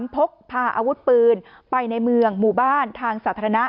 พกพาอาวุธปืนไปในเมืองหมู่บ้านทางสาธารณะ